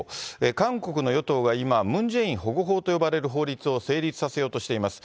韓国の与党が今、ムン・ジェイン保護法と呼ばれる法律を成立させようとしています。